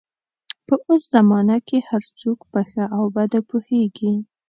په اوس زمانه کې هر څوک په ښه او بده پوهېږي